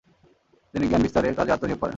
তিনি জ্ঞান বিস্তারে কাজে আত্মনিয়োগ করেন।